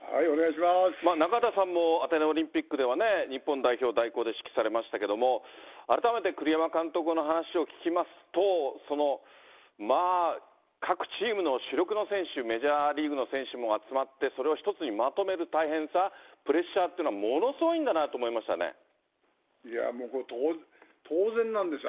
中畑さんも、アテネオリンピックでは日本代表代行で指揮されましたけれども、改めて栗山監督の話を聞きますと、まあ、各チームの主力の選手、メジャーリーグの選手も集まって、それを一つにまとめる大変さ、プレッシャーっていうのは、いや、もう当然なんですよ。